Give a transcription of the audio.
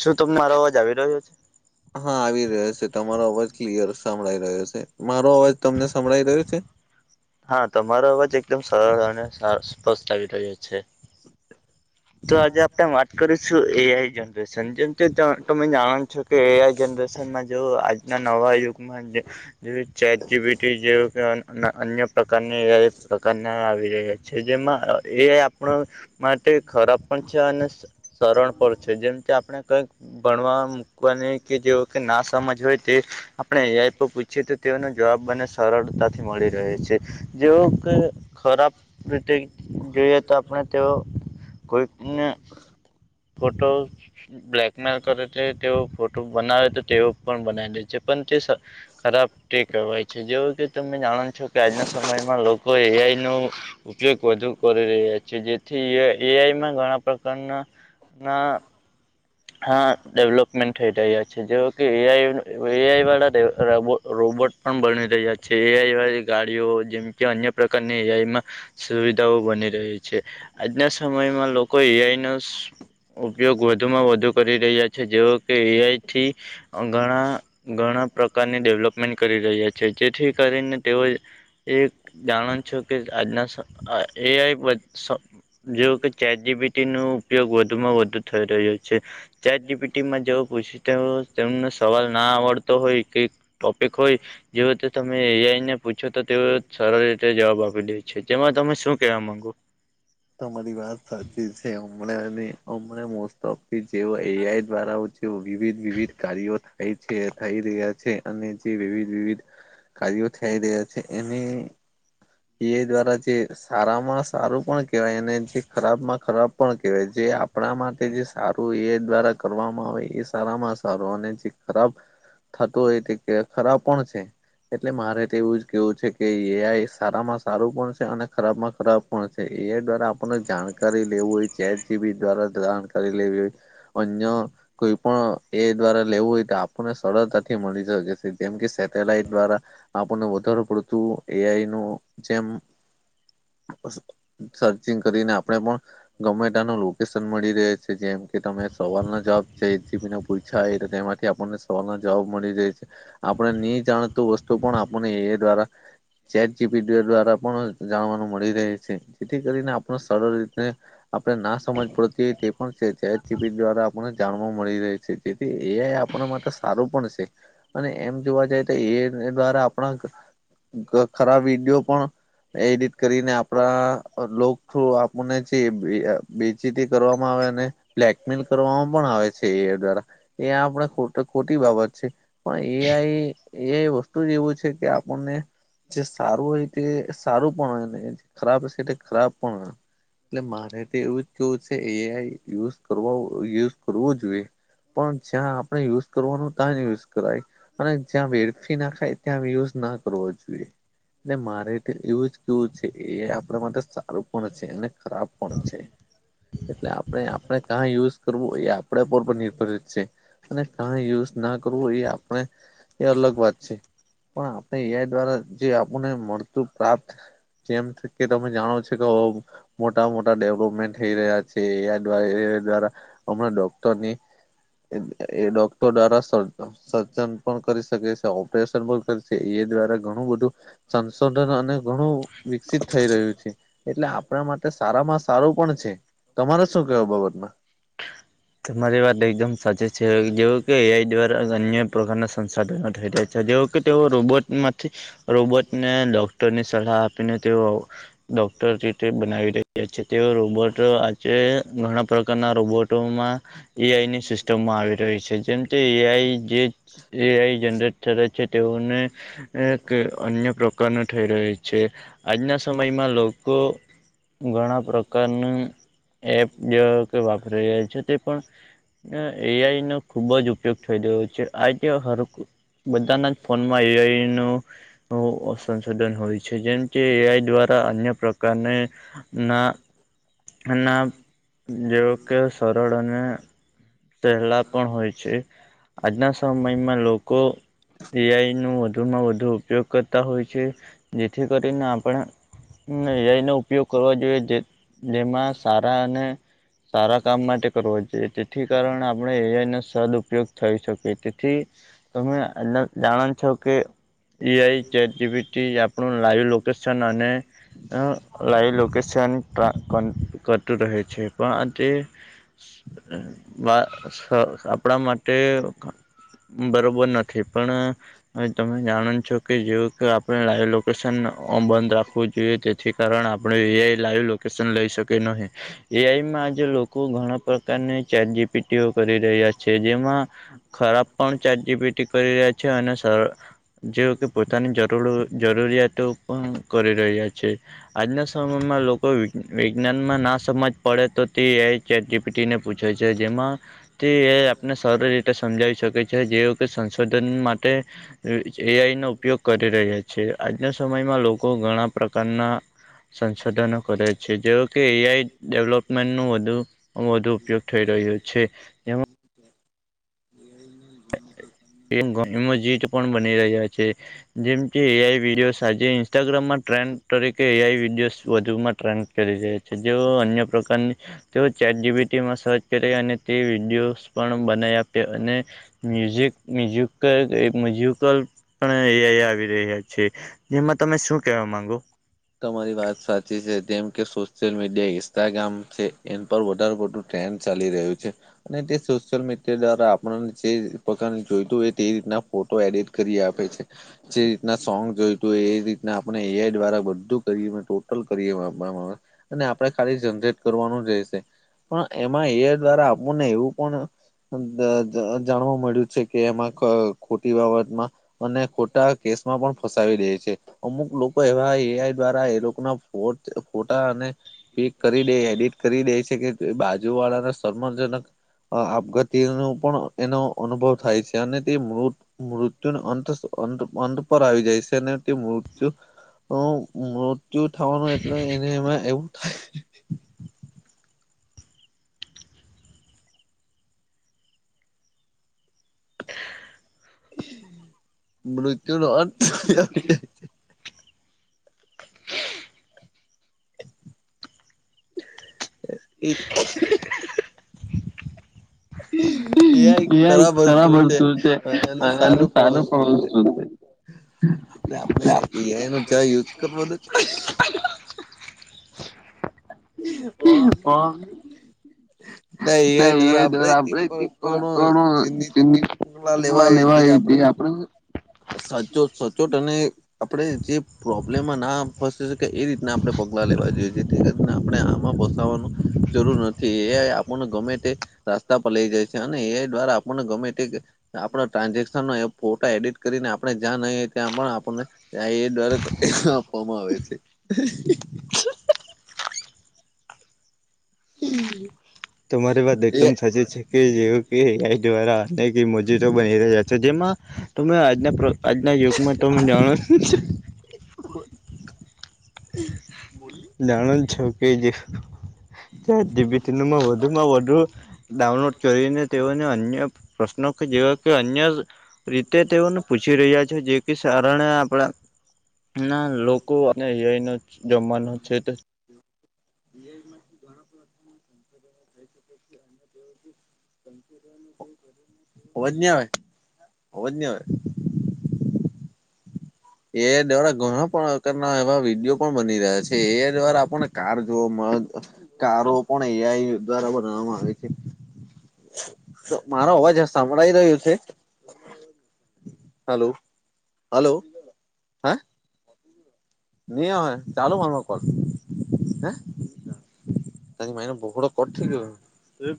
શું તમ મારો અવાજ આવી રહ્યો છે? હા, આવી રહ્યો છે તમારો અવાજ ક્લિયર સંભળાઈ રહ્યો છે મારો અવાજ તમને સંભળાઈ રહ્યો છે? હા, તમારો અવાજ એકદમ સરળ અને સ્પષ્ટ આવી રહ્યો છે. તો આજે આપણે વાત કરીશું એઆઈ જનરેશન જેમ કે તમે જાણો છો કે એઆઈ જનરેશનમાં જો આજના નવા યુગમાં ચાર્ટ જીભીટી જેઓ કે અન્ય પ્રકારની એઆઈ પ્રકારના આવી રહ્યા છે જેમાં એઆઈ આપણો માટે ખરાબ પણ છે અને સરળ પણ છે જેમ કે આપણે કઈક ભણવા મૂકવાની કે જેઓ કે ના સમજ હોય તે આપણે એઆઈ પર પૂછીએ તો તેઓનો જવાબ મને સરળતાથી મળી રહે છે. જેવું કે ખરાબ રીતે જોઈએ તો આપણે તેઓ કોઈકના. ફોટો બ્લેકમેલ કરે છે તેઓ ફોટો બનાવે તો તેઓ પણ બનાય દે છે પણ તે સ ખરાબ તે કહેવાય છે જેઓ કે તમે જાણો જોકે આજના સમયમાં લોકો એઆઈ નો ઉપયોગ વધુ કરી રહ્યા છે જેથી એઆઈ એઆઈમાં ઘણા પ્રકારના ના હા, ડેવલોપમેન્ટ થઈ રહ્યા છે જેઓ કે એઆઈ એઆઈ વાળા રોબોટ પણ બની રહ્યા છે. એઆઈ વાળી ગાડીઓ જેમ કે અન્ય પ્રકારની એઆઈમાં સુવિધાઓ બની રહી છે આજના સમયમાં લોકો એઆઈનો સ ઉપયોગ વધુમાં વધુ કરી રહ્યા છે જેઓ કે એઆઈથી. ઘણા ઘણા પ્રકારની ડેવલોપમેન્ટ કરી રહ્યા છે જેથી કરીને તેઓએ એ જાણ છો કે આજના એઆઈ [unintelligible] જો કે ચે જબીટી ન ઉપયોગ વધુ માં વધુ થઈ રહ્યો છે. ચેપીટીમાં જે પૂછે તે તેમને સવાલ ના આવડતો હોય કે ટોપેિક હોય જેવતે તમે એઆઈને પૂછો તો તેવ સરળ રીતે જવાબ આપી દે છે તેમાં તમે શું કેવા માંગો.? તમારી વાત સાચી છે હમણાં હમ મોસ્ટ ઓફ જે એઆઈ દ્વારા વિવિધ વિવિધ કાર્ય થઈ છે થઈ રહ્યા છે અને જે વિવિધ વિવિધ કાર્યો થઈ રહ્યા છે એને એ દ્વારા જે સારામાં સારું પણ કેહેવાય એને જે ખરાબ માં ખરાબ પણ કેહેવાય જે આપણા માટે જે સારું એ દ્વારા કરવામાં આવે એ સારામાં સારું અને જે ખરાબ થતો હોય તે ખરાબ પણ છે એટલે મારે તો એવું જ કેવું છે કે એ આઈ સારામાં સારું પણ છે અને ખરાબમાં ખરાબ પણ છે એ દ્વારા આપણને જાણકારી લેવું હોય ચેટ જીબી દ્વારા દણ કરી લેવીય અન્ય કોઈ પણ એ દ્વારા લેવું હોય તો આપણને સરળતાથી મળી શકે છે જેમ કે સેટેલાઈટ દ્વારા આપણને વધાર પડતું એઆઈ નું જેમ સર્ચિંગ કરીને આપણે પણ ગમે ટાનુ લોકેશન મળી રહે છે. જેમ કે તમે સવારના જવાબ જથી પછ છે એટલે તેમાંથી આપણને સવાલના જવાબ મળી રહેાય છે. આપણે નહી જાણતું વસ્તુ પણ આપણને એ દ્વારા ી દ્વારા પણ જાણવાનું મળી રહે છે જેથી કરીને આપણ સરળ રી આપડણે ના સમજ પડતી હોય તે પણ છે ટીપિ દ્વારા આપને જાણવા મળી રહી છે જેથી એઆ આપણા માટે સારું પણ છે. અને એમ જોવા જાય તો એ દ્વારા આપણા ખરાબ વિડીયો પણ એડિટ કરીને આપણા લોક થ્રુ આપને જે ી કરવામાં આવે અને બ્લેકમેલ કરવામાં પણ આવે છે એ દ્વારા. એ આપણે ખ ખોટી બાબત છે પણ એ આઈ વસ્તુ એવું છે કે આપણને જે સારું હોય તે સારું પણ હોય ને ખરાબ હશે તે ખરાબ પણ હોય. એટલે મારે તો એવું જ કેવું છે એઆઈ યુઝ યુઝ કરવું જોઈએ. પણ જ્યાં આપણે યુઝ કરવાનું ત્યાં યુઝ કરાય અને જ્યાં વ ફી નાખાય ત્યા યુઝ ના કરવો જોઈએ. મારે એવું જ કેવું છે એ આપણા માટે સારું પણ છે અને ખરાબ પણ છે. એટલે આપણે આપણે કં યુઝ કરવું એ આપડ ઉપ નિર્ભરિત છે. અને કાય યુઝ ના કરવો એ આપણે એ અલગ વાત છે. પણ આપણે એઆઈ દ્વારા જે આપણને મળતું પ્રાપ્ત જેમ કે તમે જાણો છો કે મોટા મોટા ડેવલોપમેન્ટ થઈ રહ્યા છે્વા દ્વારા હમણાં ડોક્ટરની એ ડોક્ટર ડારા સ સન પણ કરી શકે છે ઓપરેશન પણ કરીકે એ દ્વારા ઘણું બધું સંશોધન અને ઘણું વિકસિત થઈ રહ્યું છે એટલે આપણા માટે સારામાં સારું પણ છે તમારે શું કેવ બાબતમાં.? તમારી વાત એકદમ સાચી છે જેવ કે એઆઈ દ્વારા અન્ય પ્રકારના સંસાધનો થઈ જાય છે. જે કે તેઓ રોબોટ માંથી રોબોટને ડોક્ટરની સલાહ આપીને તેઓ ડોક્ટર રીતે બનાવી રે છે તેઓ રોબોટ આજે ઘણા પ્રકારના રોબોટોમાં. એઈ આઈની સિસ્ટમ માં આવી રહી છે. જેમ કે એઆઈ જે એઆઈ જનરેટ થે છે તેઓને કે અન્ય પ્રકારનું થઈ રહ્યો છે આજના સમયમાં લોકો ઘણા પ્રકારનું એપ જે કે વાપરી રહ્યા છે તે પણ એઆઈ નો ખુબ જ ઉપયોગ થઈ રહયો છે આતે હર બધાના જ ફોનમાં એઆય નુ સંશોધન હોય છે, જેમ કે એઆઈ દ્વારા અન્ય પ્રકારને ના એના જેવો કે સરળ અને પહેલા પણ હોય છે. આજના સમયમાં લોકો દિયાઈનો વધુમાં વધુ ઉપયોગ કરતા હોય છે, જેથી કરીને આપણે એનો ઉપયોગ કરવાો જોઈએ જે જેમાં સારા અને સારા કામ માટે કરવા જોઈએ. જેથી કારણે આપણે એઆઈ ન સદ ઉપયોગ થઈ શકી તેથી તમે એ જાણો છો, કે ઈ આઈ ચેટ જીી આપણું લાઈવ લોકેશન અને લાાઈવ લોેશન કટું રહેે છે, પણ તે હા વા આપણા માટે બરોબર નથી પણ હવે તમે જાણો છો કે જેવ કે આપણે લાઈવ લોકેશન બંધ રાખવું જોઈએ જે કારણ આપણે એઆઈ લાઈવ લોકેશન લઈ શકીએ નહીં એઆઈમાં આજે લોકો ઘણા ચારજી પીટીઓ કરી રહ્યા છે, જેમાં ખરાબ પણ ચારજીીટી કરી રહ્યા છે, અને જે કે પોતાની જરૂર જરૂરિયાતો પણ કરી રહ્યા છે. આજના સમયમાં લોકો વિજ્ઞાનમાં ના સમજ પડે તો તે એ પી ને પૂછે છે, જેમાં થી એ આપને સરારી રીતે સમજાવી શકે છે, જેવ કે સંશોધન માટે એઆઈ નો ઉપયોગ કરી રહ્યા છે, આજના સમયમાં લોકો ઘણા પ્રકારના સંશોધનો કરે છે, જે કે એઆઈ ડેવલોપમેન્ટનું વધુ વધુ ઉપયોગ થઈ રહ્યો છે, જેમાં એ જીત પણ બની રહ્યા છે, જેમ કે એ આઈ વિડીયો આજે ઇન્સ્ટાગ્રામમાં ટ્રેન્ડ તરીકે એઆઈ વિડીયોઝ વધુમાં ટ્રેન્ડ કરી જાય છે. છે જેઓ અન્ય પ્રકારની તેઓ ચેટ જીબીટીમાં સર્ચ કરે અને તે વિડીયોસ પણ બનાવી આપે અને મ્યુઝિક મ્યુલ મઝ્યુકલ પણ અ આવી રહ્યા છે. જેમાં તમે શું કેવા માંગો તમારી વાત સાચી છે, કેમ કે સોશલ મીડિયા ઇન્સ્ટાગ્રામ છે એ પર વધારેું ટ્રેન્ડ ચાલી રહ્યું છે. અને તે સોશિયલ મીડિયા દ્વારા આપણને જે પ્રકારને જોઈતું હોય, તે રીતના ફોટો એડિટ કરી આપે છે, જે રીતના સોંગ જોઈતું હોય એ રીતના આપણે એઆ દ્વારા કરી ટોટલ કરીએ આપણે ખાલી જનરેટ કરવાનું જ રહેશે પણ એમાં એ દ્વારા આપું ને એવું પણ જાણવા મળ્યું છે, કે એમાં ખોટી બાબતમાં અને ખોટા કેસમાં પણ ફસાવી દે છે, અમુક લોકો એવા એ દ્વારા એ લોકો ના ફોટા અને પિક કરી દે એડિટ કરી દે છે કે બાજુ વાળાના સન્માજનક આપગતિ ન પણ એનો અનુભવ થાય છે, અને તે મૃત મૃત્યુ અંત અંત પર આવી જાય છે, અને તે મૃત્યુ મૃત્યુ થવાનું એટલે એને એમાં એવું થાય મચ ના એ એ એક ખરાબ વસ્તુ છે એને સારું પણ વસ્તુ છે. એટલે આપડણે એઆઈ નો જ યુઝ કરવાવો નથી. ઓ છે નઈ એ ના દર આપડે પણ ઘણું આપડેણુંલા જિંદગી લેવાય હતી, તે આપણે આપડે સાચોટ સચોટ અને આપણે જે પ્રોબ્લેમમાં ના ફસે કે એ રીતના આપડણે પગલાં લેવા જોઈએ તેથી કરીને આપણે આમાં ફસાવાનું જરૂર નથી એ આપણને ગમે તે રસ્તા પર લઈ જાય છે અને એ દ્વારા આપણને ગમે તે આપણા ટ્રાન્ઝેક્શન ન ફોટા એડિટ કરીને આપણે જ્યાં નહી ત્યાં પણ આપણને દ્વા આપવામાં આવે છે હ હમ તમારી વાત એકદમ સાચી છે જે દ્વારા અનેજ બની રહ્યા છે જેમાં તમે આજના આજના યુગમાં તો જાણો છ બોલલી જાણો જ છો કે જે ચે જીબીટીનુંમાં વધુમાં વધુ ડાઉનલોડ કરીને તેઓને અન્ય પ્રશ્નો કે જેીવા કે અન્ય રીતે તેઓને પૂછી રહ્યા છે જે કે શણે આપણા ના ના લોકો અને અય ન જમવાનો છે તો ીમાંથી ઘણા પ્રકાર સંશોધ થઈ શકે છે અને તેઓ ચ રહે બ ઓજને આવેય હોજને હોય એ દ્વારા ઘણા પણ પ્રકારના એવા વિડીયો પણ બની રહ્યા છે એ દ્વારા આપણને કાર જોવા મળે કારો પણ અહયાઈ દ્વારા બનાવવામાં આવે છે તો મારો અવાજ સાંભળાઈ રહ્યો છે હલોો હલો હે ન હ ચાલો મારમાં કોલ હે તજ માાઈ ના બોળ કોઠી